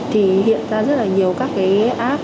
thì hiện ra rất là nhiều các cái app